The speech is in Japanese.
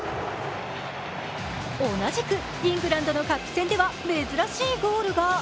同じくイングランドのカップ戦では珍しいゴールが。